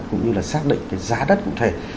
cũng như là xác định cái giá đất cụ thể